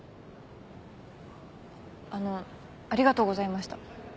あのありがとうございました。